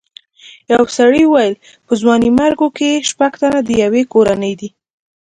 یو سړي وویل په ځوانیمرګو کې شپږ تنه د یوې کورنۍ دي.